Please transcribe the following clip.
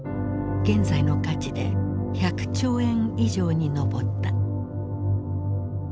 現在の価値で１００兆円以上に上った。